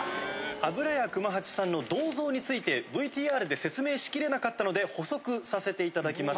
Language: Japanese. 油屋熊八さんの銅像についてＶＴＲで説明しきれなかったので補足させていただきます。